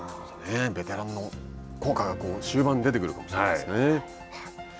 ベテランの効果が終盤に出てくるかもしれませんね。